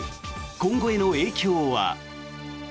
今後への影響は。